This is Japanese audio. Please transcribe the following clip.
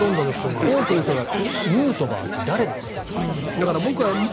多くの人がヌートバーって誰ですか？